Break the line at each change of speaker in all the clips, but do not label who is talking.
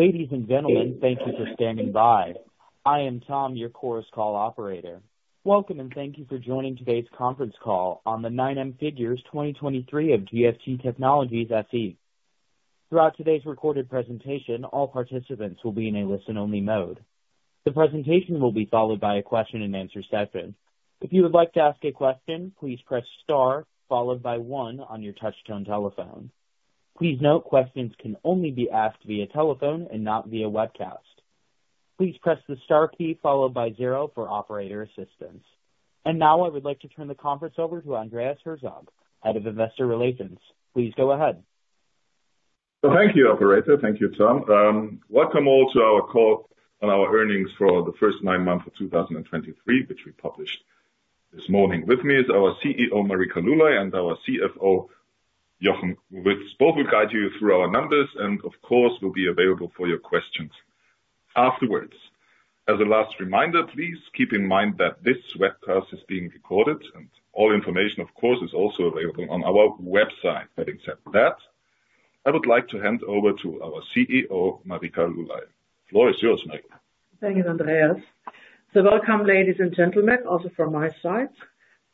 Ladies and gentlemen, thank you for standing by. I am Tom, your Chorus Call operator. Welcome, and thank you for joining today's conference call on the 9M figures 2023 of GFT Technologies SE. Throughout today's recorded presentation, all participants will be in a listen-only mode. The presentation will be followed by a question-and-answer session. If you would like to ask a question, please press star followed by one on your touchtone telephone. Please note, questions can only be asked via telephone and not via webcast. Please press the star key followed by zero for operator assistance. And now, I would like to turn the conference over to Andreas Herzog, Head of Investor Relations. Please go ahead.
Thank you, operator. Thank you, Tom. Welcome all to our call on our earnings for the first nine months of 2023, which we published this morning. With me is our CEO, Marika Lulay, and our CFO, Jochen, which both will guide you through our numbers, and of course, will be available for your questions afterwards. As a last reminder, please keep in mind that this webcast is being recorded, and all information, of course, is also available on our website. Having said that, I would like to hand over to our CEO, Marika Lulay. The floor is yours, ma'am.
Thank you, Andreas. So welcome, ladies and gentlemen, also from my side.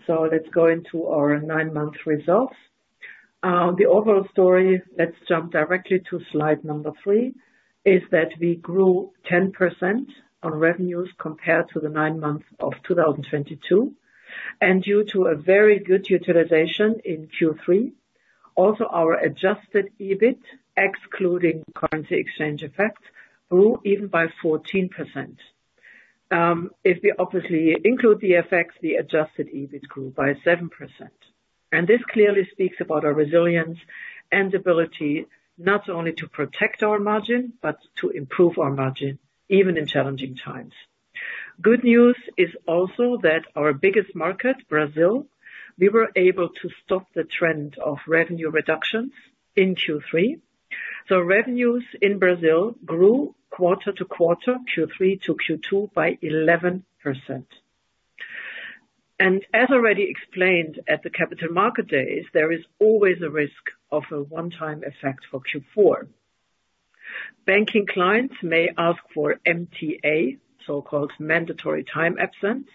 So let's go into our nine-month results. The overall story, let's jump directly to slide number three, is that we grew 10% on revenues compared to the nine months of 2022. And due to a very good utilization in Q3, also our adjusted EBIT, excluding currency exchange effect, grew even by 14%. If we obviously include the effects, the adjusted EBIT grew by 7%. And this clearly speaks about our resilience and ability not only to protect our margin, but to improve our margin, even in challenging times. Good news is also that our biggest market, Brazil, we were able to stop the trend of revenue reductions in Q3. So revenues in Brazil grew quarter to quarter, Q3 to Q2, by 11%. As already explained at the Capital Market Days, there is always a risk of a one-time effect for Q4. Banking clients may ask for MTA, so-called Mandatory Time Absence.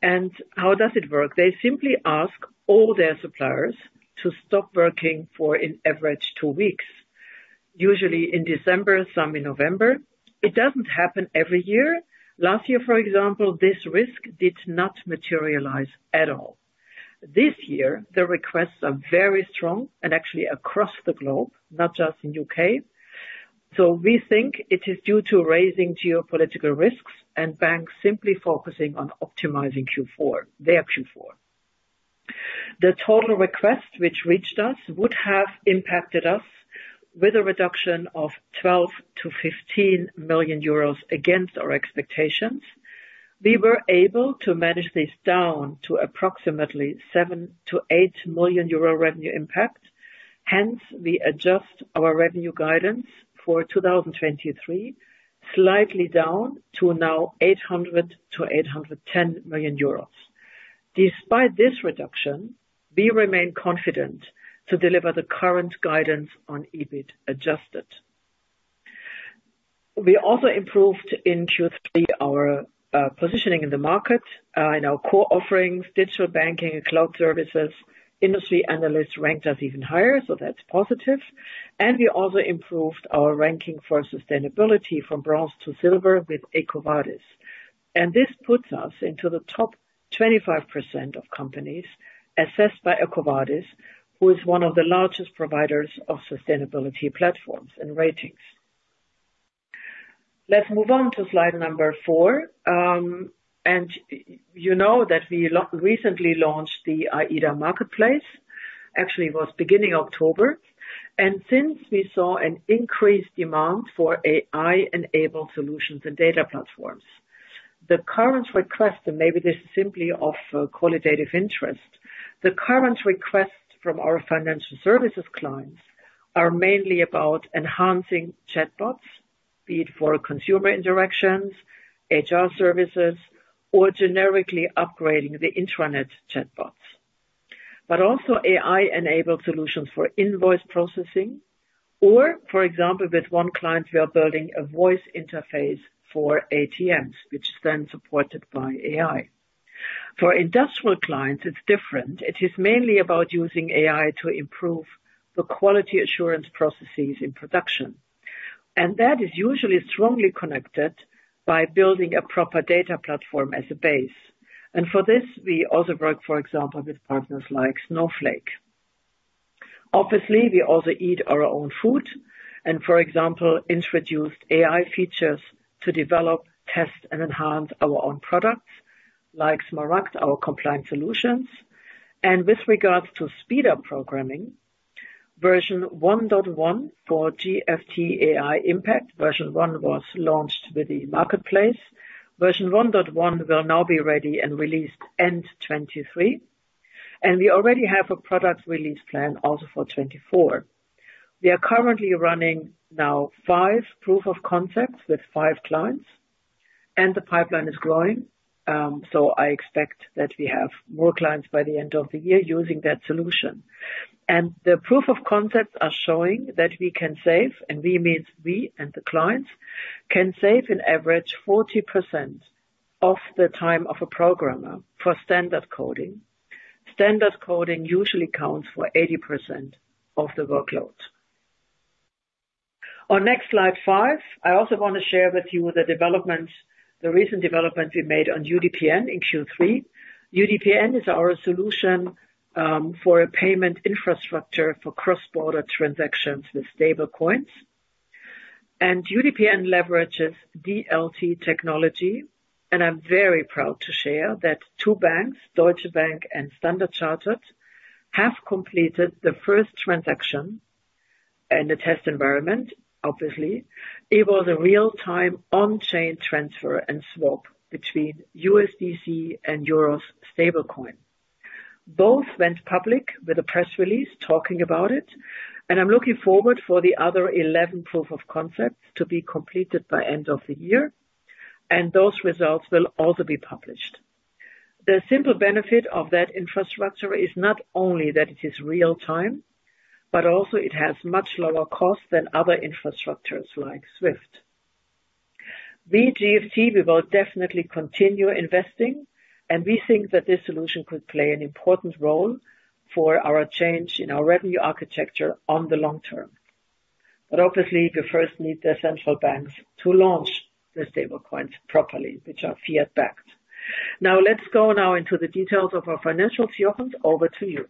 And how does it work? They simply ask all their suppliers to stop working for an average two weeks, usually in December, some in November. It doesn't happen every year. Last year, for example, this risk did not materialize at all. This year, the requests are very strong and actually across the globe, not just in U.K. So we think it is due to rising geopolitical risks and banks simply focusing on optimizing Q4, their Q4. The total request which reached us would have impacted us with a reduction of 12 million-15 million euros against our expectations. We were able to manage this down to approximately 7 million-8 million euro revenue impact. Hence, we adjust our revenue guidance for 2023, slightly down to now 800 million-810 million euros. Despite this reduction, we remain confident to deliver the current guidance on EBIT adjusted. We also improved in Q3, our positioning in the market, in our core offerings, digital banking and cloud services. Industry analysts ranked us even higher, so that's positive. We also improved our ranking for sustainability from bronze to silver with EcoVadis. And this puts us into the top 25% of companies assessed by EcoVadis, who is one of the largest providers of sustainability platforms and ratings. Let's move on to slide number four. And you know that we recently launched the AI.DA Marketplace. Actually, it was beginning October, and since, we saw an increased demand for AI-enabled solutions and data platforms. The current request, and maybe this is simply of qualitative interest, the current request from our financial services clients are mainly about enhancing chatbots, be it for consumer interactions, HR services, or generically upgrading the intranet chatbots. But also AI-enabled solutions for invoice processing, or for example, with one client, we are building a voice interface for ATMs, which is then supported by AI. For industrial clients, it's different. It is mainly about using AI to improve the quality assurance processes in production, and that is usually strongly connected by building a proper data platform as a base. And for this, we also work, for example, with partners like Snowflake. Obviously, we also eat our own food and, for example, introduced AI features to develop, test, and enhance our own products, like SMARAGD, our compliance solutions. With regards to speedup programming, version 1.1 for GFT AI Impact, version one was launched with the marketplace. Version 1.1 will now be ready and released end 2023, and we already have a product release plan also for 2024. We are currently running now five proof of concepts with five clients... and the pipeline is growing. So I expect that we have more clients by the end of the year using that solution. And the proof of concepts are showing that we can save, and we means we and the clients, can save an average 40% of the time of a programmer for standard coding. Standard coding usually counts for 80% of the workload. On next slide five, I also want to share with you the developments, the recent developments we made on UDPN in Q3. UDPN is our solution for a payment infrastructure for cross-border transactions with stablecoins. And UDPN leverages DLT technology, and I'm very proud to share that two banks, Deutsche Bank and Standard Chartered, have completed the first transaction in the test environment, obviously. It was a real-time, on-chain transfer and swap between USDC and EURS stablecoin. Both went public with a press release talking about it, and I'm looking forward for the other 11 proof of concepts to be completed by end of the year, and those results will also be published. The simple benefit of that infrastructure is not only that it is real-time, but also it has much lower cost than other infrastructures, like SWIFT. We, GFT, we will definitely continue investing, and we think that this solution could play an important role for our change in our revenue architecture on the long term. But obviously, we first need the central banks to launch the stablecoins properly, which are fiat backed. Now, let's go into the details of our financial year. Jochen, over to you.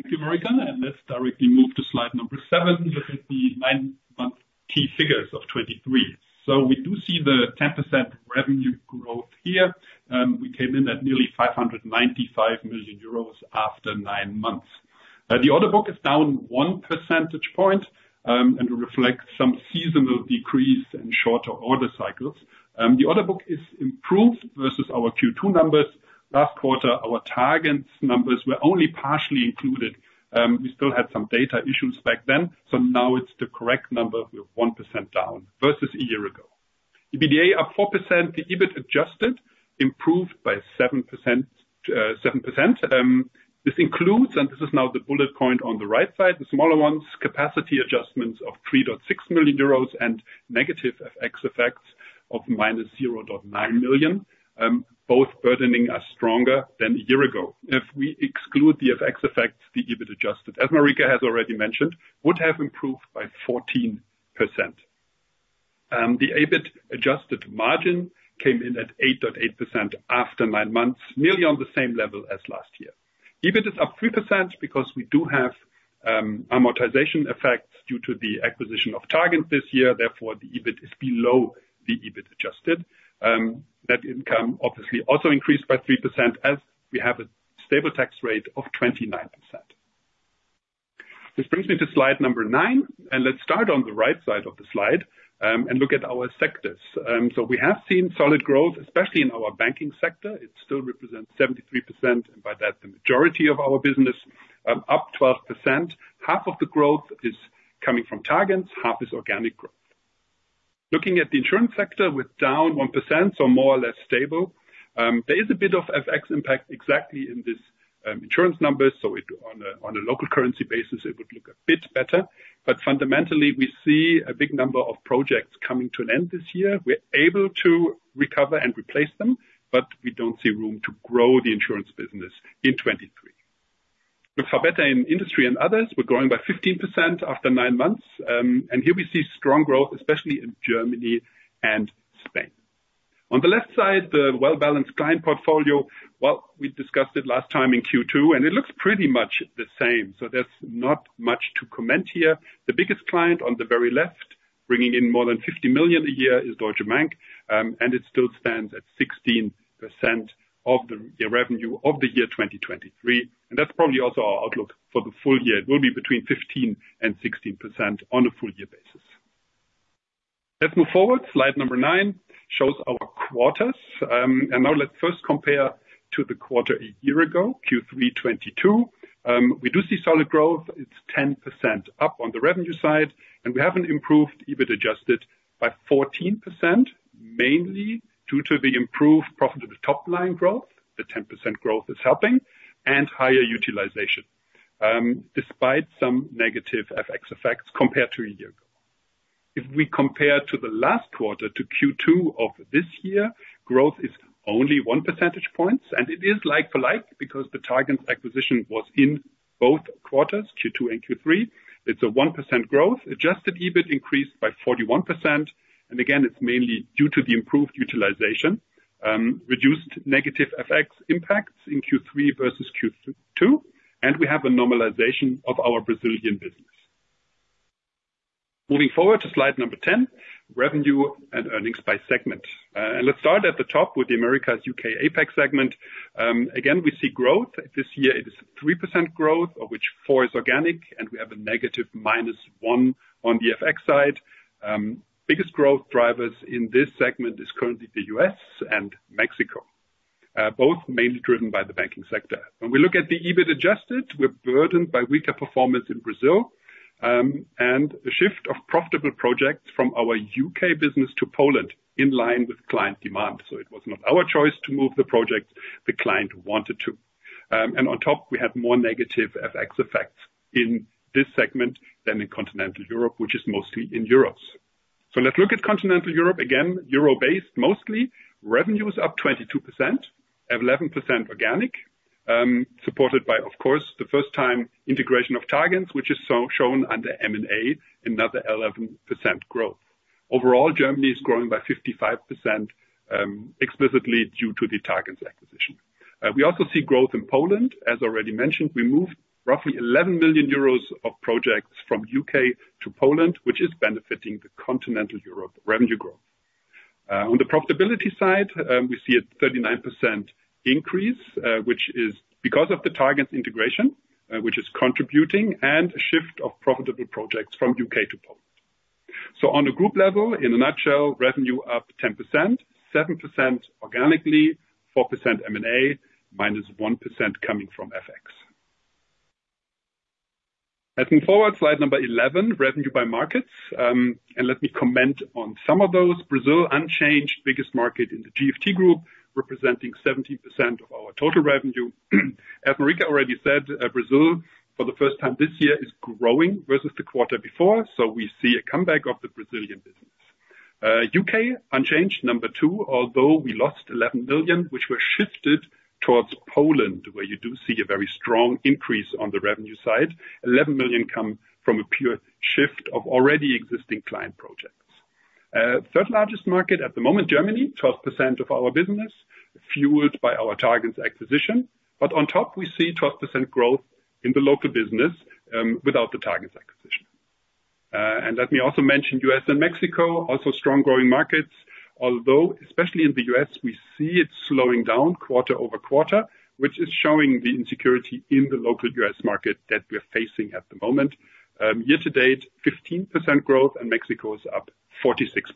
Thank you, Marika, and let's directly move to slide number seven, which is the nine-month key figures of 2023. So we do see the 10% revenue growth here. We came in at nearly 595 million euros after nine months. The order book is down 1 percentage point, and reflects some seasonal decrease in shorter order cycles. The order book is improved versus our Q2 numbers. Last quarter, our targens numbers were only partially included. We still had some data issues back then, so now it's the correct number. We're 1% down versus a year ago. EBITDA up 4%. The EBIT adjusted improved by 7%, 7%. This includes, and this is now the bullet point on the right side, the smaller ones, capacity adjustments of 3.6 million euros and negative FX effects of -0.9 million, both burdening us stronger than a year ago. If we exclude the FX effects, the EBIT adjusted, as Marika has already mentioned, would have improved by 14%. The EBIT-adjusted margin came in at 8.8% after nine months, nearly on the same level as last year. EBIT is up 3% because we do have amortization effects due to the acquisition of targens this year, therefore, the EBIT is below the EBIT adjusted. Net income obviously also increased by 3%, as we have a stable tax rate of 29%. This brings me to slide number nine, and let's start on the right side of the slide, and look at our sectors. So we have seen solid growth, especially in our banking sector. It still represents 73%, and by that, the majority of our business, up 12%. Half of the growth is coming from targens, half is organic growth. Looking at the insurance sector, we're down 1%, so more or less stable. There is a bit of FX impact exactly in this insurance numbers, so it on a local currency basis, it would look a bit better. But fundamentally, we see a big number of projects coming to an end this year. We're able to recover and replace them, but we don't see room to grow the insurance business in 2023. Look for better in industry and others, we're growing by 15% after nine months. And here we see strong growth, especially in Germany and Spain. On the left side, the well-balanced client portfolio, well, we discussed it last time in Q2, and it looks pretty much the same, so there's not much to comment here. The biggest client on the very left, bringing in more than 50 million a year, is Deutsche Bank. And it still stands at 16% of the year revenue of the year 2023. And that's probably also our outlook for the full year. It will be between 15% and 16% on a full year basis. Let's move forward. Slide nine shows our quarters. And now let's first compare to the quarter a year ago, Q3 2022. We do see solid growth. It's 10% up on the revenue side, and we have an improved EBIT adjusted by 14%, mainly due to the improved profit of the top line growth, the 10% growth is helping, and higher utilization, despite some negative FX effects compared to a year ago. If we compare to the last quarter, to Q2 of this year, growth is only one percentage points, and it is like for like, because the targens acquisition was in both quarters, Q2 and Q3. It's a 1% growth. Adjusted EBIT increased by 41%, and again, it's mainly due to the improved utilization. Reduced negative FX impacts in Q3 versus Q2, and we have a normalization of our Brazilian business. Moving forward to slide number 10, revenue and earnings by segment. And let's start at the top with the Americas, UK, APAC segment. Again, we see growth. This year, it is 3% growth, of which 4% is organic, and we have a negative minus 1% on the FX side. Biggest growth drivers in this segment is currently the U.S. and Mexico, both mainly driven by the banking sector. When we look at the EBIT adjusted, we're burdened by weaker performance in Brazil, and the shift of profitable projects from our U.K. business to Poland, in line with client demand. So it was not our choice to move the project, the client wanted to. And on top, we had more negative FX effects in this segment than in Continental Europe, which is mostly in euros. So let's look at Continental Europe, again, euro-based mostly. Revenue is up 22%, 11% organic, supported by, of course, the first time integration of targens, which is shown under M&A, another 11% growth. Overall, Germany is growing by 55%, explicitly due to the targens acquisition. We also see growth in Poland. As already mentioned, we moved roughly 11 million euros of projects from UK to Poland, which is benefiting the continental Europe revenue growth. On the profitability side, we see a 39% increase, which is because of the targens integration, which is contributing, and a shift of profitable projects from UK to Poland. So on a group level, in a nutshell, revenue up 10%, 7% organically, 4% M&A, -1% coming from FX. Looking forward, slide number 11, revenue by markets, and let me comment on some of those. Brazil, unchanged, biggest market in the GFT group, representing 17% of our total revenue. As Marika already said, Brazil, for the first time this year, is growing versus the quarter before, so we see a comeback of the Brazilian business. UK, unchanged, number two, although we lost 11 million, which were shifted towards Poland, where you do see a very strong increase on the revenue side. 11 million come from a pure shift of already existing client projects. Third largest market at the moment, Germany, 12% of our business, fueled by our targens acquisition. But on top, we see 12% growth in the local business, without the targens acquisition. And let me also mention U.S. and Mexico, also strong growing markets, although especially in the U.S., we see it slowing down quarter-over-quarter, which is showing the insecurity in the local U.S. market that we're facing at the moment. Year to date, 15% growth, and Mexico is up 46%.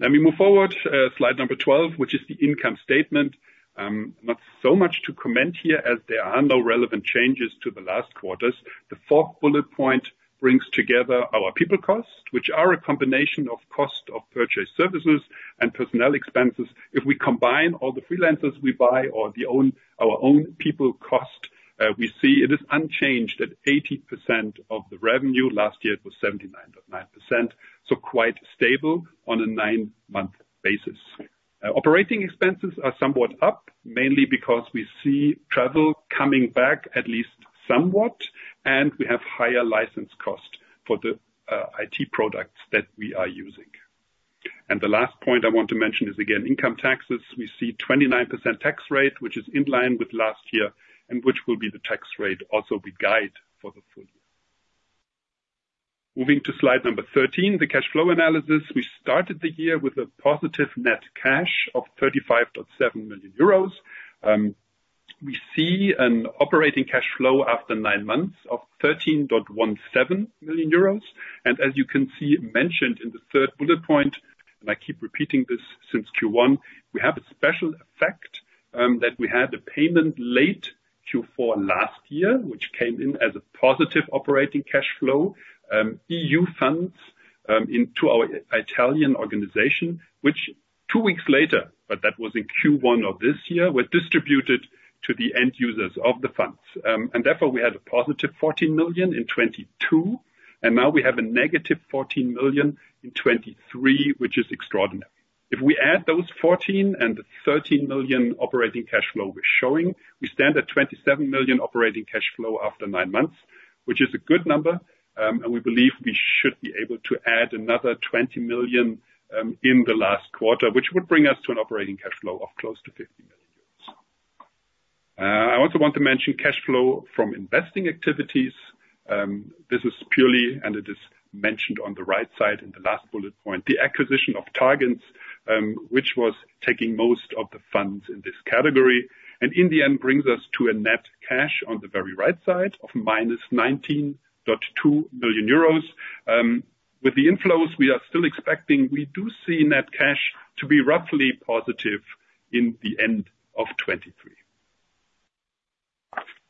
Let me move forward, slide number 12, which is the income statement. Not so much to comment here, as there are no relevant changes to the last quarters. The fourth bullet point brings together our people costs, which are a combination of cost of purchased services and personnel expenses. If we combine all the freelancers we buy or the own, our own people cost, we see it is unchanged at 80% of the revenue. Last year, it was 79.9%, so quite stable on a nine-month basis. Operating expenses are somewhat up, mainly because we see travel coming back at least somewhat, and we have higher license costs for the IT products that we are using. The last point I want to mention is, again, income taxes. We see 29% tax rate, which is in line with last year, and which will be the tax rate also we guide for the full year. Moving to slide number 13, the cash flow analysis. We started the year with a positive net cash of 35.7 million euros. We see an operating cash flow after nine months of 13.17 million euros. As you can see mentioned in the third bullet point, and I keep repeating this since Q1, we have a special effect, that we had a payment late Q4 last year, which came in as a positive operating cash flow. EU funds into our Italian organization, which two weeks later, but that was in Q1 of this year, were distributed to the end users of the funds. And therefore, we had a positive 14 million in 2022, and now we have a negative 14 million in 2023, which is extraordinary. If we add those 14 and the 13 million operating cash flow we're showing, we stand at 27 million operating cash flow after nine months, which is a good number. We believe we should be able to add another 20 million in the last quarter, which would bring us to an operating cash flow of close to 50 million euros. I also want to mention cash flow from investing activities. This is purely, and it is mentioned on the right side in the last bullet point, the acquisition of targens, which was taking most of the funds in this category. And in the end, brings us to a net cash on the very right side of -19.2 million euros. With the inflows we are still expecting, we do see net cash to be roughly positive in the end of 2023.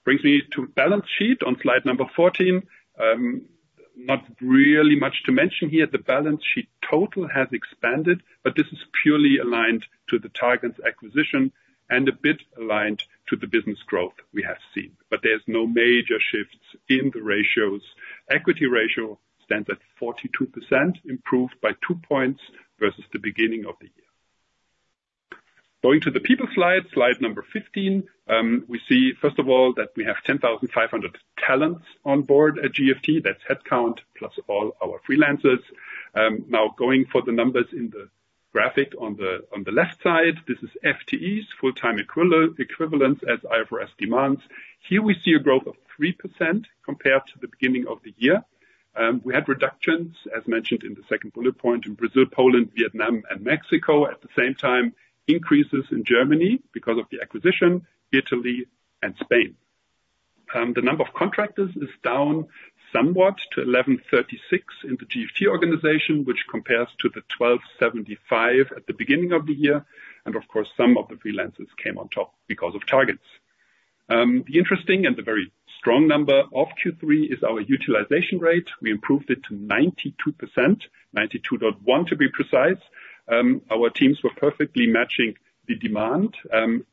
Brings me to balance sheet on slide number 14. Not really much to mention here. The balance sheet total has expanded, but this is purely aligned to the targens acquisition and a bit aligned to the business growth we have seen. But there's no major shifts in the ratios. Equity ratio stands at 42%, improved by 2 points versus the beginning of the year. Going to the people slide, slide number 15, we see, first of all, that we have 10,500 talents on board at GFT. That's headcount, plus all our freelancers. Now going for the numbers in the graphic on the left side, this is FTEs, full-time equivalent, equivalence, as IFRS demands. Here we see a growth of 3% compared to the beginning of the year. We had reductions, as mentioned in the second bullet point, in Brazil, Poland, Vietnam, and Mexico. At the same time, increases in Germany because of the acquisition, Italy and Spain. The number of contractors is down somewhat to 1,136 in the GFT organization, which compares to the 1,275 at the beginning of the year, and of course, some of the freelancers came on top because of targens. The interesting and the very strong number of Q3 is our utilization rate. We improved it to 92%, 92.1% to be precise. Our teams were perfectly matching the demand,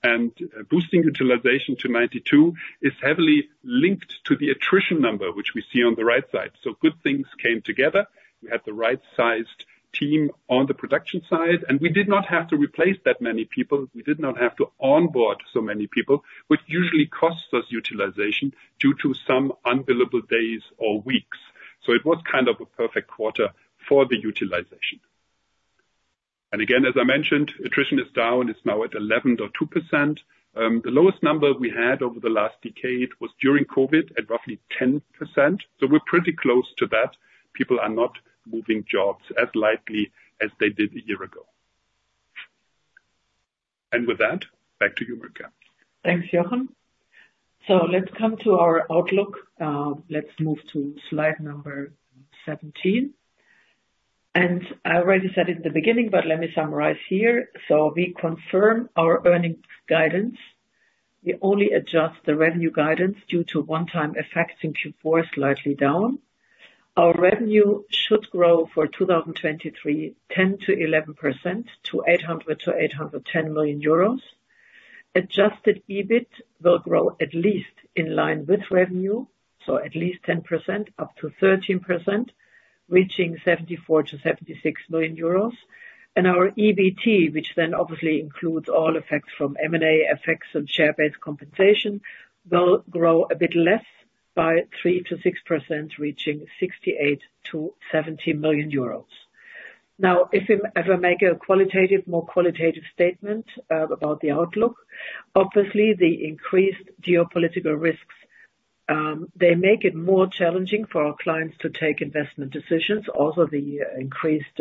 and boosting utilization to 92% is heavily linked to the attrition number, which we see on the right side. So good things came together. We had the right sized team on the production side, and we did not have to replace that many people. We did not have to onboard so many people, which usually costs us utilization due to some unbillable days or weeks. So it was kind of a perfect quarter for the utilization. And again, as I mentioned, attrition is down. It's now at 11.2%. The lowest number we had over the last decade was during COVID, at roughly 10%, so we're pretty close to that. People are not moving jobs as lightly as they did a year ago. And with that, back to you, Marika.
Thanks, Jochen. So let's come to our outlook. Uh, let's move to slide number 17. And I already said it at the beginning, but let me summarize here. So we confirm our earnings guidance. We only adjust the revenue guidance due to one-time effects in Q4, slightly down. Our revenue should grow for 2023, 10%-11% to 800 million-810 million euros. Adjusted EBIT will grow at least in line with revenue, so at least 10%, up to 13%, reaching 74 million-76 million euros. And our EBT, which then obviously includes all effects from M&A effects and share-based compensation, will grow a bit less, by 3%-6%, reaching 68 million-70 million euros. Now, if I make a qualitative, more qualitative statement about the outlook, obviously the increased geopolitical risks, they make it more challenging for our clients to take investment decisions. Also, the increased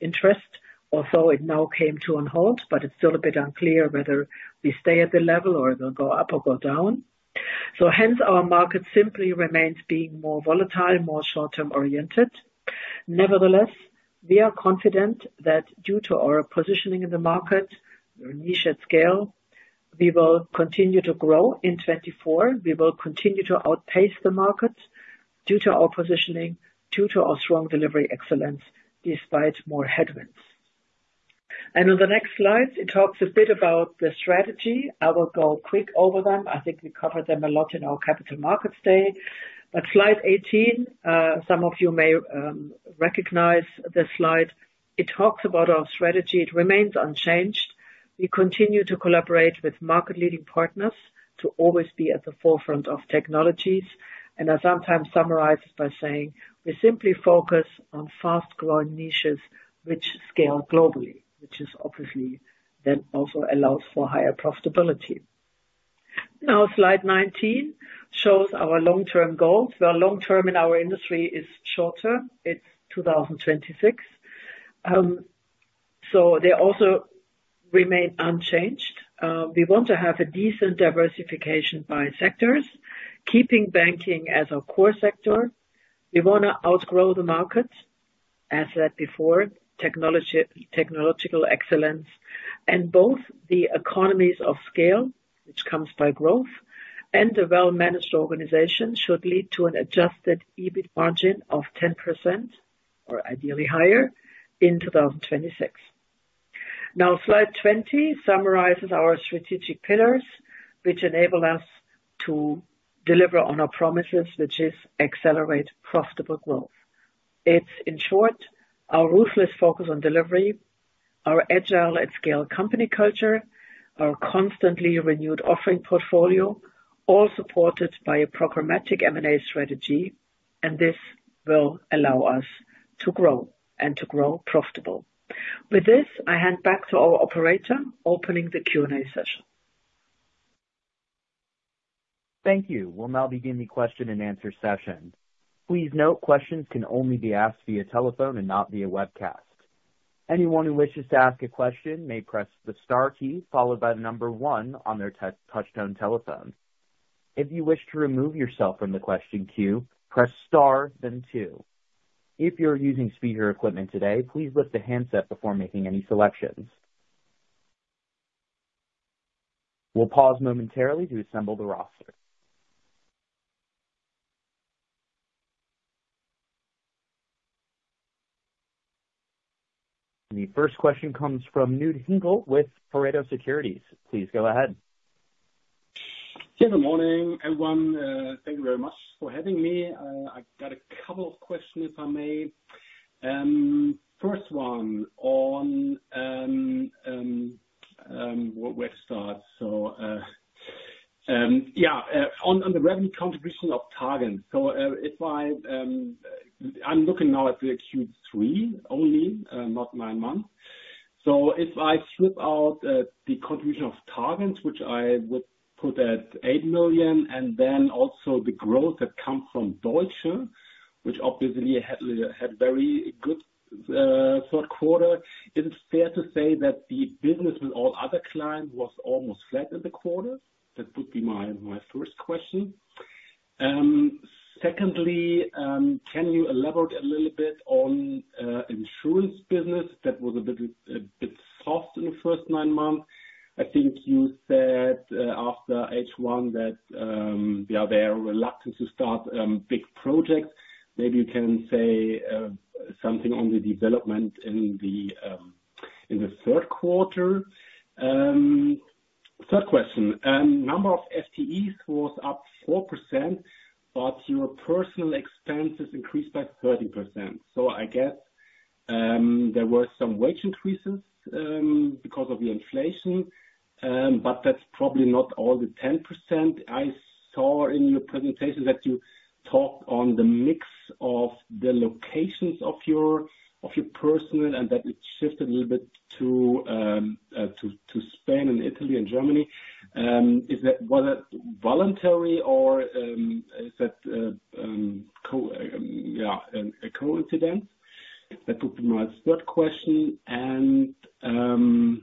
interest, although it now came to a halt, but it's still a bit unclear whether we stay at the level or it'll go up or go down. So hence, our market simply remains being more volatile, more short-term oriented. Nevertheless, we are confident that due to our positioning in the market, our niche at scale, we will continue to grow in 2024. We will continue to outpace the markets due to our positioning, due to our strong delivery excellence, despite more headwinds. And on the next slide, it talks a bit about the strategy. I will go quick over them. I think we covered them a lot in our capital markets day. But slide 18, some of you may recognize this slide. It talks about our strategy. It remains unchanged. We continue to collaborate with market-leading partners to always be at the forefront of technologies, and I sometimes summarize it by saying we simply focus on fast-growing niches which scale globally, which is obviously then also allows for higher profitability. Now, slide 19 shows our long-term goals. The long term in our industry is shorter. It's 2026. So they also remain unchanged. We want to have a decent diversification by sectors, keeping banking as our core sector. We wanna outgrow the markets, as said before, technological excellence, and both the economies of scale, which comes by growth, and a well-managed organization should lead to an adjusted EBIT margin of 10%, or ideally higher, in 2026. Now, slide 20 summarizes our strategic pillars, which enable us to deliver on our promises, which is accelerate profitable growth. It's, in short, our ruthless focus on delivery, our agile at scale company culture, our constantly renewed offering portfolio, all supported by a programmatic M&A strategy, and this will allow us to grow and to grow profitable. With this, I hand back to our operator, opening the Q&A session.
Thank you. We'll now begin the question and answer session. Please note, questions can only be asked via telephone and not via webcast. Anyone who wishes to ask a question may press the star key followed by the number one on their touchtone telephone. If you wish to remove yourself from the question queue, press star, then two. If you're using speaker equipment today, please lift the handset before making any selections. We'll pause momentarily to assemble the roster. The first question comes from Knud Hinkel with Pareto Securities. Please go ahead.
Good morning, everyone, thank you very much for having me. I've got a couple of questions, if I may. First one on, where to start? So, on the revenue contribution of targens. So, if I, I'm looking now at the Q3 only, not nine months. So if I slip out the contribution of targens, which I would put at 8 million, and then also the growth that come from Deutsche, which obviously had very good third quarter, is it fair to say that the business with all other clients was almost flat in the quarter? That would be my first question. Secondly, can you elaborate a little bit on, insurance business? That was a little bit, a bit soft in the first nine months. I think you said, after H1 that, yeah, they are reluctant to start, big projects. Maybe you can say, something on the development in the, in the third quarter. Third question, number of FTEs was up 4%, but your personnel expenses increased by 30%. So I guess, there were some wage increases, because of the inflation, but that's probably not all the 10%. I saw in your presentation that you talked on the mix of the locations of your, of your personnel, and that it shifted a little bit to, to Spain and Italy and Germany. Is that, was that voluntary or is that a coincidence? That would be my third question. On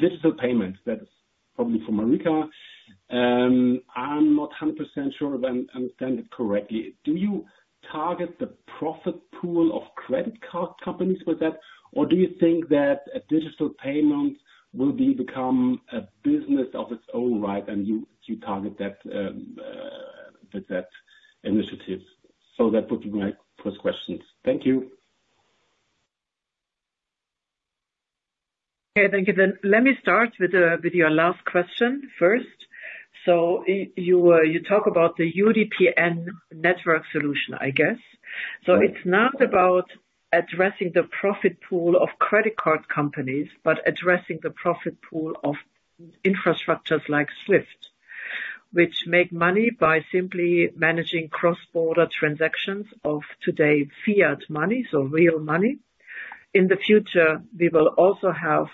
digital payments, that's probably for Marika. I'm not 100% sure if I understand it correctly. Do you target the profit pool of credit card companies with that? Or do you think that a digital payment will be become a business of its own right, and you target that with that initiative? So that would be my first questions. Thank you.
Okay, thank you. Then let me start with your last question first. So you talk about the UDPN network solution, I guess. So it's not about addressing the profit pool of credit card companies, but addressing the profit pool of infrastructures like SWIFT, which make money by simply managing cross-border transactions of today's fiat money, so real money. In the future, we will also have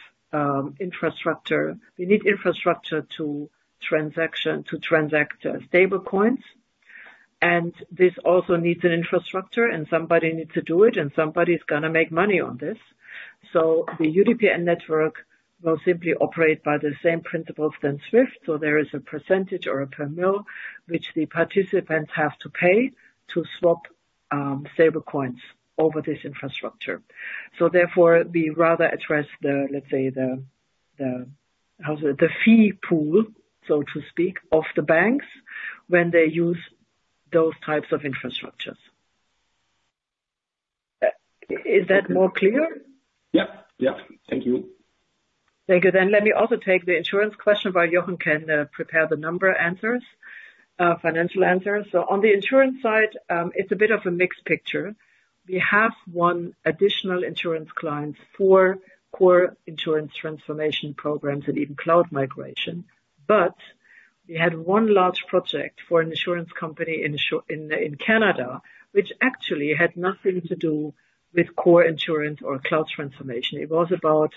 infrastructure. We need infrastructure to transact stablecoins, and this also needs an infrastructure, and somebody needs to do it, and somebody's gonna make money on this. So the UDPN network will simply operate by the same principles than SWIFT. So there is a percentage or a per mil, which the participants have to pay to swap stablecoins over this infrastructure. So therefore, we rather address the, let's say, the, the, how is it? The fee pool, so to speak, of the banks, when they use those types of infrastructures. Is that more clear?
Yep, yep. Thank you.
Thank you. Then let me also take the insurance question while Jochen can prepare the number answers, financial answers. So on the insurance side, it's a bit of a mixed picture. We have won additional insurance clients for core insurance transformation programs and even cloud migration. But we had one large project for an insurance company in Canada, which actually had nothing to do with core insurance or cloud transformation. It was about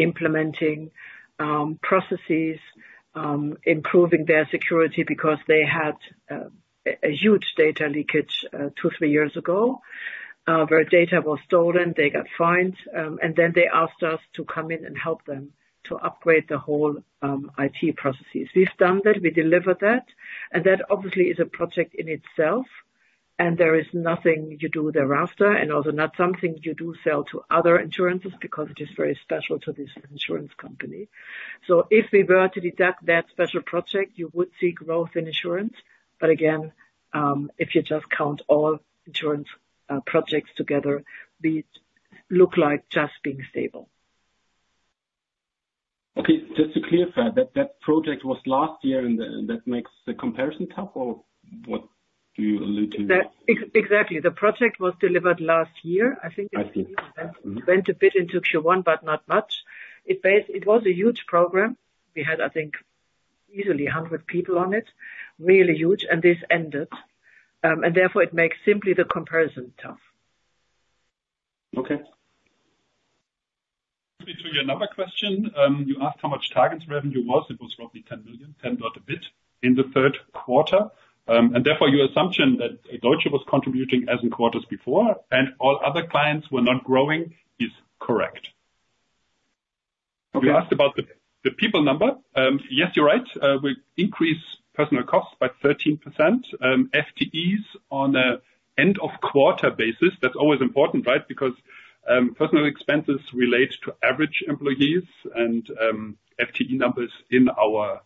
implementing processes, improving their security because they had a huge data leakage two to three years ago, where data was stolen, they got fined, and then they asked us to come in and help them to upgrade the whole IT processes. We've done that. We delivered that, and that obviously is a project in itself, and there is nothing you do thereafter, and also not something you do sell to other insurances, because it is very special to this insurance company. So if we were to deduct that special project, you would see growth in insurance. But again, if you just count all insurance projects together, these look like just being stable.
Okay, just to clarify, that, that project was last year, and that makes the comparison tough, or what do you allude to?
Exactly. The project was delivered last year. I think-
I see.
It went a bit into Q1, but not much. It was a huge program. We had, I think, easily 100 people on it, really huge, and this ended. And therefore, it makes simply the comparison tough.
Okay.
To your number question, you asked how much targens' revenue was. It was roughly 10 million, 10 million a bit in the third quarter. And therefore, your assumption that Deutsche was contributing as in quarters before, and all other clients were not growing is correct. You asked about the people number. Yes, you're right. We increased personnel costs by 13%. FTEs on an end-of-quarter basis, that's always important, right? Because, personnel expenses relate to average employees, and, FTE numbers in our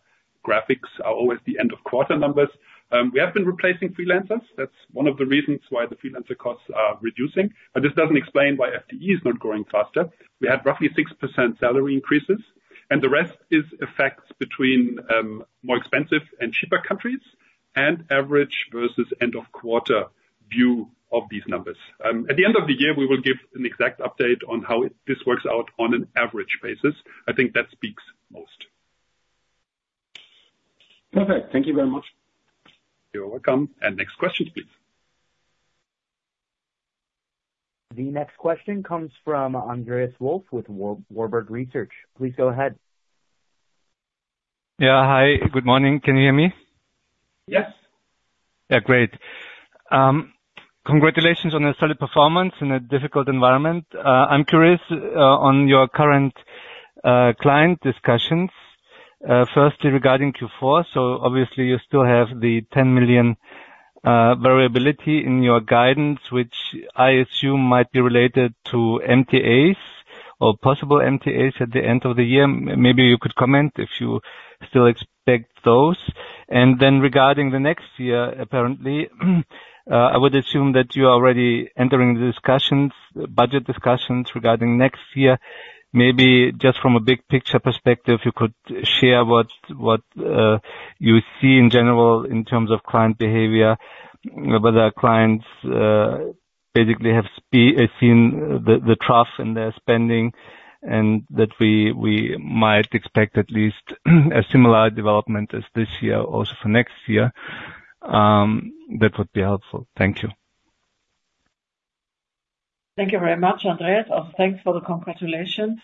graphics are always the end-of-quarter numbers. We have been replacing freelancers. That's one of the reasons why the freelancer costs are reducing. But this doesn't explain why FTE is not growing faster. We had roughly 6% salary increases, and the rest is effects between, more expensive and cheaper countries, and average versus end of quarter view of these numbers. At the end of the year, we will give an exact update on how this works out on an average basis. I think that speaks most.
Perfect. Thank you very much.
You're welcome. Next question, please.
The next question comes from Andreas Wolf, with Warburg Research. Please go ahead.
Yeah. Hi, good morning. Can you hear me?
Yes.
Yeah, great. Congratulations on a solid performance in a difficult environment. I'm curious on your current client discussions. Firstly, regarding Q4, so obviously you still have the 10 million variability in your guidance, which I assume might be related to MTAs or possible MTAs at the end of the year. Maybe you could comment if you still expect those. And then regarding the next year, apparently, I would assume that you are already entering the discussions, budget discussions regarding next year. Maybe just from a big picture perspective, you could share what you see in general in terms of client behavior. Whether our clients basically have seen the trough in their spending, and that we might expect at least a similar development as this year, also for next year. That would be helpful. Thank you.
Thank you very much, Andreas. Thanks for the congratulations.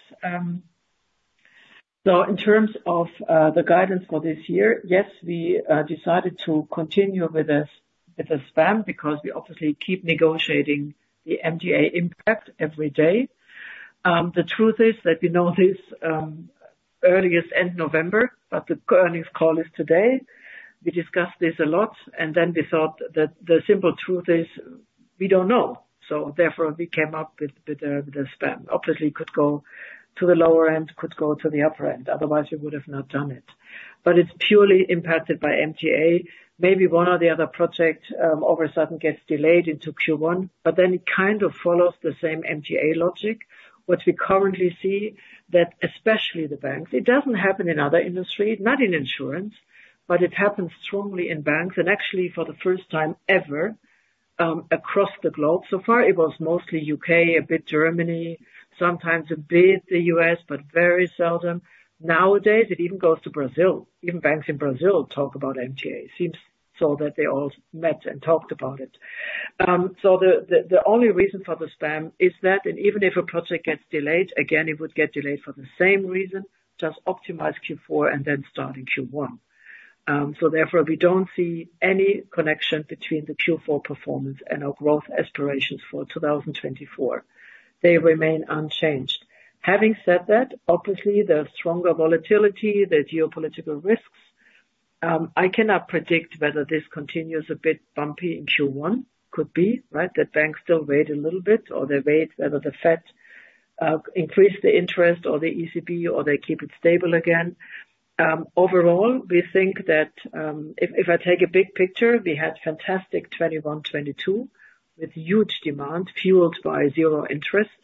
So in terms of the guidance for this year, yes, we decided to continue with the span, because we obviously keep negotiating the MTA impact every day. The truth is that we know this early as end November, but the earnings call is today. We discussed this a lot, and then we thought that the simple truth is, we don't know, so therefore we came up with the span. Obviously, could go to the lower end, could go to the upper end. Otherwise we would have not done it. But it's purely impacted by MTA. Maybe one or the other project all of a sudden gets delayed into Q1, but then it kind of follows the same MTA logic. What we currently see, that especially the banks, it doesn't happen in other industry, not in insurance, but it happens strongly in banks and actually for the first time ever across the globe. So far, it was mostly U.K., a bit Germany, sometimes a bit the U.S., but very seldom. Nowadays, it even goes to Brazil. Even banks in Brazil talk about MTA. Seems so that they all met and talked about it. So the only reason for the span is that, and even if a project gets delayed, again, it would get delayed for the same reason, just optimize Q4 and then start in Q1. So therefore, we don't see any connection between the Q4 performance and our growth aspirations for 2024. They remain unchanged. Having said that, obviously, there's stronger volatility, there are geopolitical risks. I cannot predict whether this continues a bit bumpy in Q1. Could be, right? That banks still wait a little bit, or they wait whether the Fed increase the interest or the ECB, or they keep it stable again. Overall, we think that if I take a big picture, we had fantastic 2021, 2022, with huge demand, fueled by zero interest.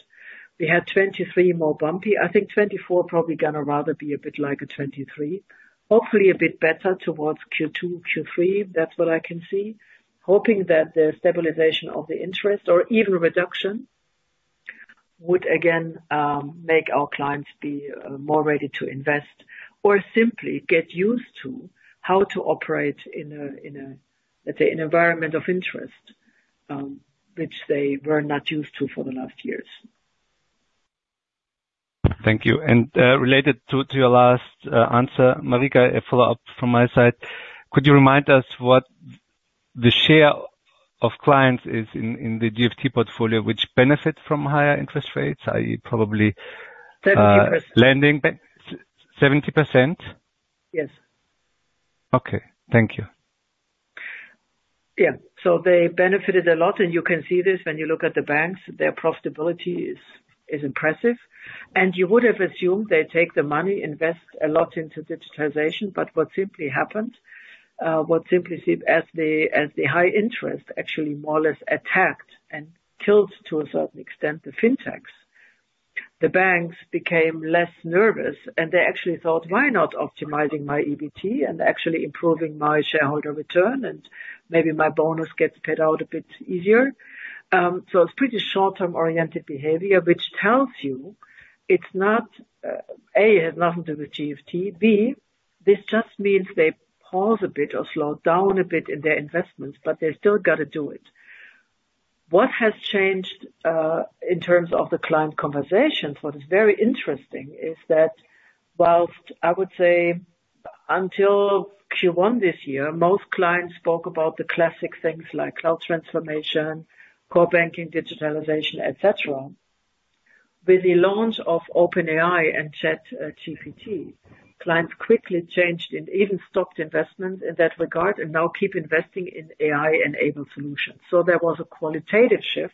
We had 2023, more bumpy. I think 2024 probably gonna rather be a bit like a 2023. Hopefully a bit better towards Q2, Q3. That's what I can see. Hoping that the stabilization of the interest or even reduction would again make our clients be more ready to invest, or simply get used to how to operate in a, in a, let's say, an environment of interest, which they were not used to for the last years.
Thank you. Related to your last answer, Marika, a follow-up from my side. Could you remind us what the share of clients is in the GFT portfolio, which benefit from higher interest rates, i.e. probably-
70%.
Lending - 70%?
Yes.
Okay, thank you.
Yeah. So they benefited a lot, and you can see this when you look at the banks. Their profitability is impressive. And you would have assumed they take the money, invest a lot into digitization, but what simply happened, what simply seemed as the high interest, actually more or less attacked and killed, to a certain extent, the fintechs. The banks became less nervous, and they actually thought, "Why not optimizing my EBT and actually improving my shareholder return, and maybe my bonus gets paid out a bit easier?" So it's pretty short-term oriented behavior, which tells you it's not A, it has nothing to do with GFT. B, this just means they pause a bit or slow down a bit in their investments, but they still gotta do it. What has changed in terms of the client conversations, what is very interesting, is that while I would say until Q1 this year, most clients spoke about the classic things like cloud transformation, core banking, digitalization, et cetera. With the launch of OpenAI and ChatGPT, clients quickly changed and even stopped investment in that regard, and now keep investing in AI-enabled solutions. So there was a qualitative shift,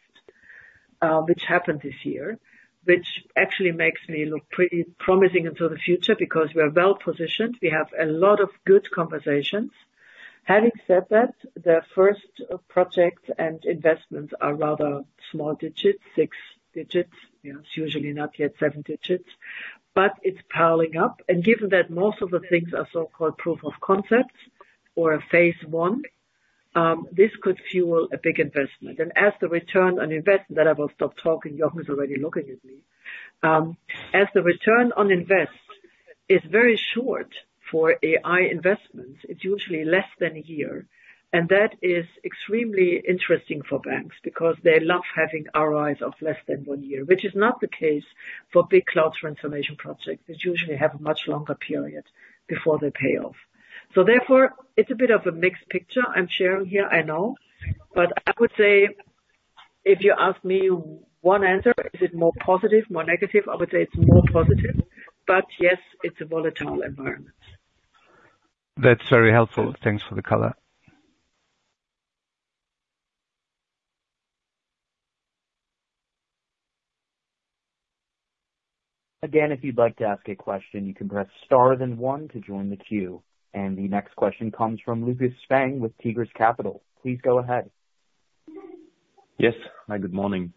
which happened this year, which actually makes me look pretty promising into the future because we are well positioned. We have a lot of good conversations. Having said that, the first project and investments are rather small digits, six digits. You know, it's usually not yet seven digits, but it's piling up. And given that most of the things are so-called proof of concepts or a phase one, this could fuel a big investment. And as the return on investment, then I will stop talking, Jochen is already looking at me. As the return on investment is very short for AI investments, it's usually less than a year, and that is extremely interesting for banks, because they love having ROIs of less than one year. Which is not the case for big cloud transformation projects, which usually have a much longer period before they pay off. So therefore, it's a bit of a mixed picture I'm sharing here, I know. But I would say, if you ask me one answer, is it more positive, more negative? I would say it's more positive, but yes, it's a volatile environment.
That's very helpful. Thanks for the color.
Again, if you'd like to ask a question, you can press star then one to join the queue. The next question comes from Lukas Spang with Tigris Capital. Please go ahead.
Yes. Hi, good morning.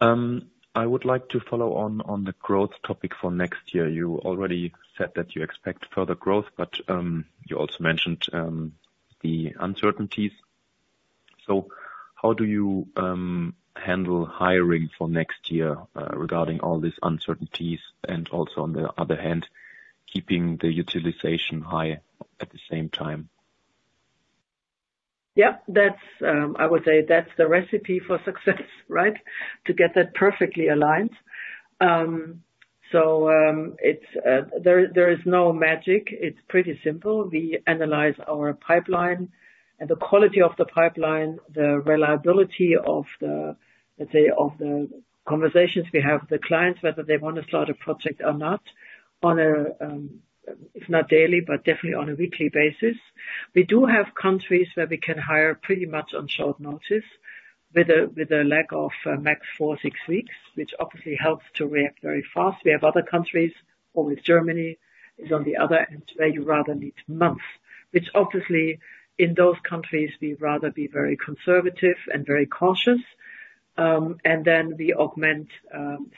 I would like to follow on the growth topic for next year. You already said that you expect further growth, but you also mentioned the uncertainties. So how do you handle hiring for next year regarding all these uncertainties, and also on the other hand, keeping the utilization high at the same time?
Yep, that's, I would say that's the recipe for success, right? To get that perfectly aligned. So, it's, there is no magic. It's pretty simple. We analyze our pipeline and the quality of the pipeline, the reliability of the, let's say, of the conversations we have with the clients, whether they want to start a project or not, on a, if not daily, but definitely on a weekly basis. We do have countries where we can hire pretty much on short notice, with a lag of, max four to six weeks, which obviously helps to react very fast. We have other countries, or with Germany, is on the other end, where you rather need months, which obviously in those countries, we rather be very conservative and very cautious. And then we augment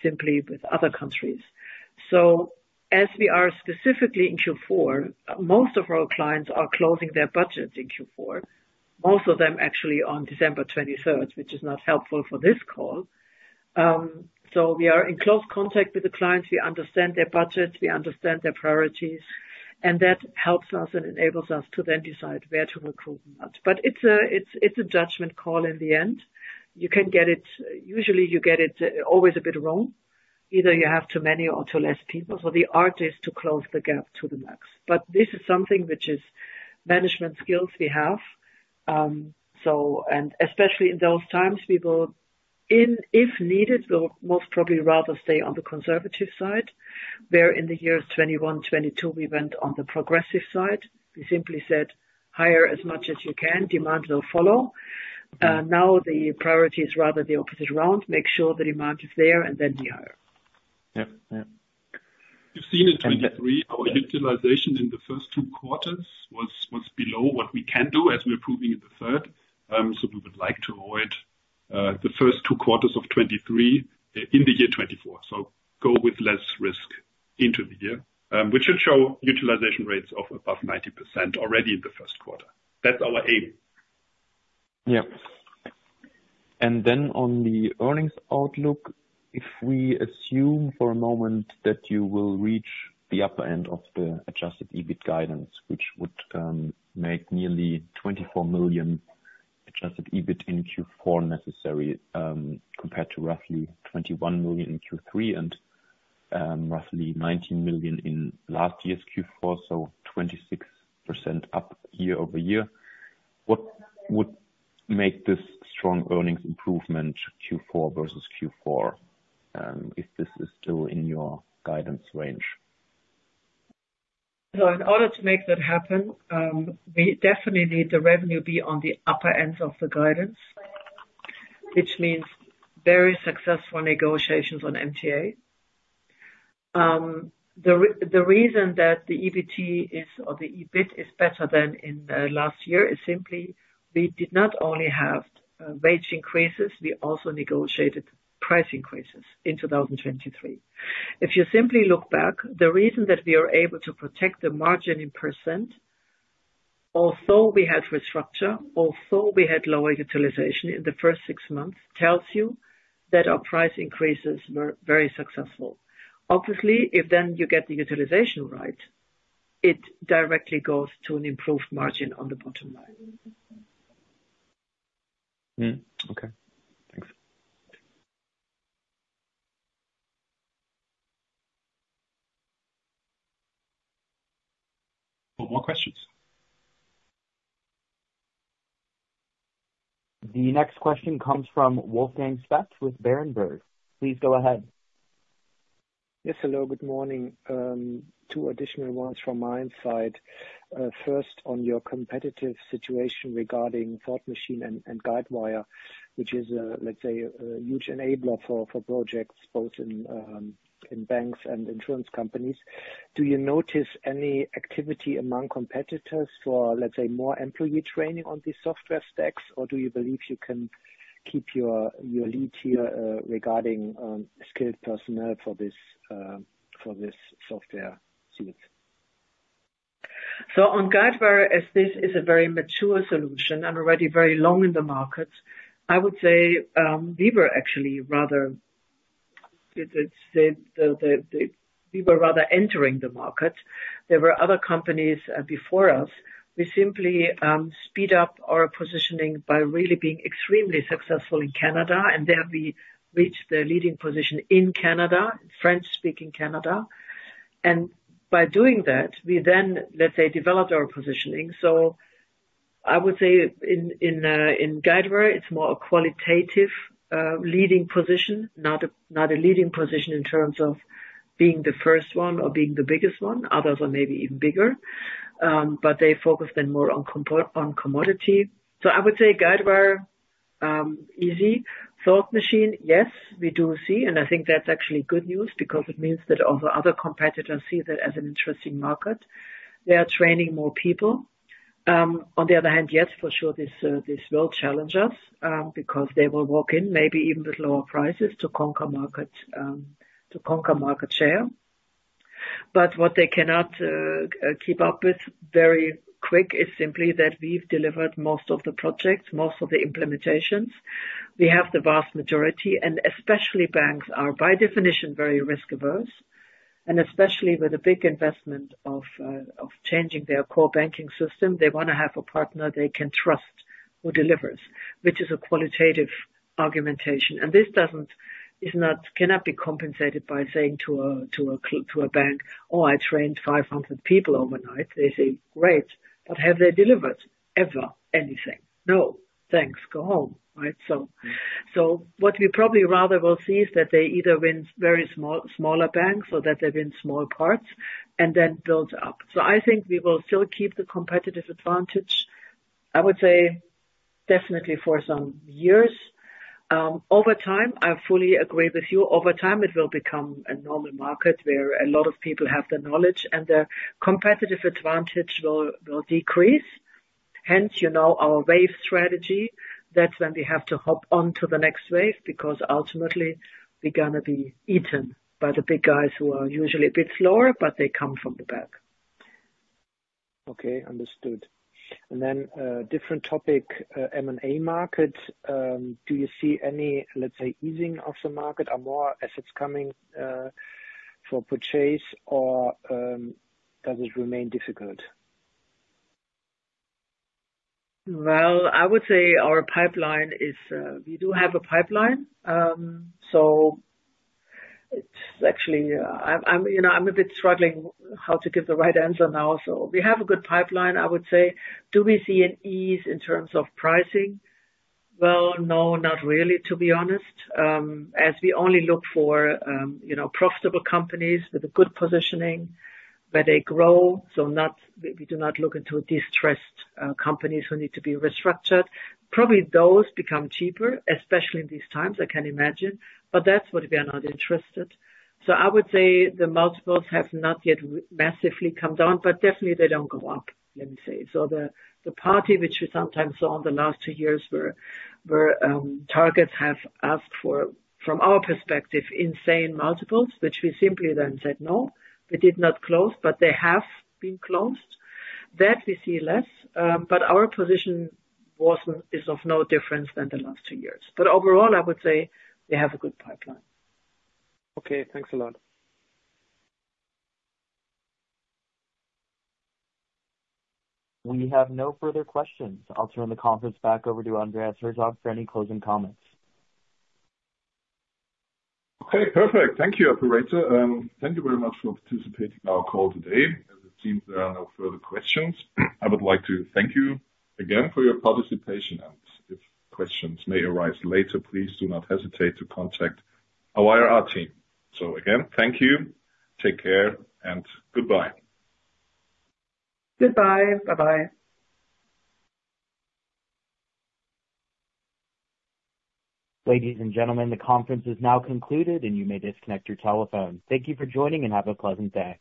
simply with other countries. So as we are specifically in Q4, most of our clients are closing their budgets in Q4. Most of them actually on December 23rd, which is not helpful for this call. So we are in close contact with the clients. We understand their budgets, we understand their priorities, and that helps us and enables us to then decide where to recruit them out. But it's a judgment call in the end. You can get it, usually, you get it always a bit wrong. Either you have too many or too less people, so the art is to close the gap to the max. But this is something which is management skills we have. So, and especially in those times, we will, in, if needed, we'll most probably rather stay on the conservative side, where in the years 2021, 2022, we went on the progressive side. We simply said, "Hire as much as you can, demands will follow." Now the priority is rather the opposite round. Make sure the demand is there and then we hire.
Yep. Yep.
You've seen in 2023, our utilization in the first two quarters was below what we can do, as we're proving in the third. So we would like to avoid the first two quarters of 2023 in the year 2024. So go with less risk into the year, which should show utilization rates of above 90% already in the first quarter. That's our aim.
Yeah. And then on the earnings outlook, if we assume for a moment that you will reach the upper end of the adjusted EBIT guidance, which would make nearly 24 million adjusted EBIT in Q4 necessary, compared to roughly 21 million in Q3 and roughly 19 million in last year's Q4, so 26% up year-over-year. What would make this strong earnings improvement Q4 versus Q4, if this is still in your guidance range?
So in order to make that happen, we definitely need the revenue be on the upper ends of the guidance, which means very successful negotiations on MTA. The reason that the EBT is, or the EBIT is better than in last year, is simply we did not only have wage increases, we also negotiated price increases in 2023. If you simply look back, the reason that we are able to protect the margin in percent, although we had restructure, although we had lower utilization in the first six months, tells you that our price increases were very successful. Obviously, if then you get the utilization right, it directly goes to an improved margin on the bottom line.
Okay. Thanks.
More questions?
The next question comes from Wolfgang Specht with Berenberg. Please go ahead.
Yes, hello, good morning. Two additional ones from my side. First, on your competitive situation regarding Thought Machine and Guidewire, which is, let's say, a huge enabler for projects both in banks and insurance companies. Do you notice any activity among competitors for, let's say, more employee training on these software stacks? Or do you believe you can keep your lead here, regarding skilled personnel for this software suite?
So on Guidewire, as this is a very mature solution and already very long in the market, I would say, we were actually rather entering the market. There were other companies before us. We simply speed up our positioning by really being extremely successful in Canada, and there we reached the leading position in Canada, French-speaking Canada. And by doing that, we then, let's say, developed our positioning. So I would say in Guidewire, it's more a qualitative leading position, not a leading position in terms of being the first one or being the biggest one. Others are maybe even bigger, but they focus then more on commodity. So I would say Guidewire, easy. Thought Machine, yes, we do see, and I think that's actually good news, because it means that other competitors see that as an interesting market. They are training more people. On the other hand, yes, for sure, this will challenge us, because they will walk in, maybe even with lower prices, to conquer market share. But what they cannot keep up with very quick is simply that we've delivered most of the projects, most of the implementations. We have the vast majority, and especially banks are, by definition, very risk-averse, and especially with a big investment of changing their core banking system, they wanna have a partner they can trust, who delivers, which is a qualitative argumentation. And this cannot be compensated by saying to a bank, "Oh, I trained 500 people overnight." They say, "Great, but have they delivered ever anything? No, thanks, go home." Right? So what we probably rather will see is that they either win smaller banks or that they win small parts and then build up. So I think we will still keep the competitive advantage, I would say, definitely for some years. Over time, I fully agree with you, over time, it will become a normal market where a lot of people have the knowledge, and the competitive advantage will decrease. Hence, you know, our wave strategy, that's when we have to hop onto the next wave, because ultimately we're gonna be eaten by the big guys who are usually a bit slower, but they come from the back.
Okay, understood. And then, different topic, M&A market. Do you see any, let's say, easing of the market or more assets coming, for purchase, or, does it remain difficult?
Well, I would say our pipeline is. We do have a pipeline. So it's actually, I'm, you know, I'm a bit struggling how to give the right answer now, so we have a good pipeline, I would say. Do we see an ease in terms of pricing? Well, no, not really, to be honest, as we only look for, you know, profitable companies with a good positioning, where they grow, so we do not look into distressed companies who need to be restructured. Probably those become cheaper, especially in these times, I can imagine, but that's what we are not interested. So I would say the multiples have not yet massively come down, but definitely they don't go up, let me say. So the party which we sometimes saw in the last two years, where targets have asked for, from our perspective, insane multiples, which we simply then said, "No," they did not close, but they have been closed. That we see less, but our position is of no difference than the last two years. Overall, I would say we have a good pipeline.
Okay, thanks a lot.
We have no further questions. I'll turn the conference back over to Andreas Herzog for any closing comments.
Okay, perfect. Thank you, operator, and thank you very much for participating in our call today. As it seems there are no further questions, I would like to thank you again for your participation, and if questions may arise later, please do not hesitate to contact our IR team. So again, thank you. Take care and goodbye.
Goodbye. Bye-bye.
Ladies and gentlemen, the conference is now concluded, and you may disconnect your telephone. Thank you for joining, and have a pleasant day.